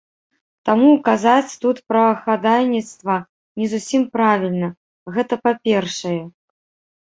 Таму казаць тут пра хадайніцтва не зусім правільна, гэта па-першае.